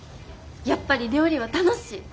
やっぱり料理は楽しい。